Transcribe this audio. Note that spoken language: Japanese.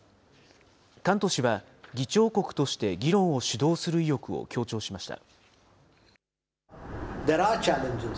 カント氏は議長国として議論を主導する意欲を強調しました。